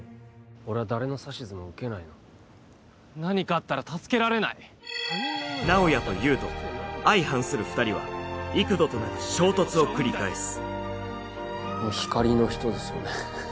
俺は誰の指図も受けないの何かあったら助けられない直哉と優斗相反する２人は幾度となく衝突を繰り返す光の人ですよね